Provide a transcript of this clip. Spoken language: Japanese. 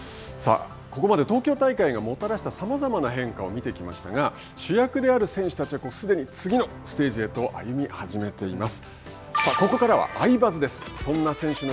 さあ、ここまで東京大会がもたらしたさまざまな変化を見てきましたが見てきましたが主役である選手たちはすでに次のステージに進み始めています。